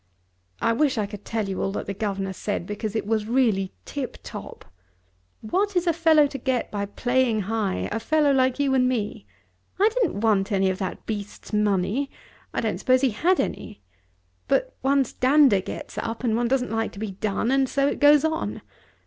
I wish I could tell you all that the governor said, because it was really tip top. What is a fellow to get by playing high, a fellow like you and me? I didn't want any of that beast's money. I don't suppose he had any. But one's dander gets up, and one doesn't like to be done, and so it goes on.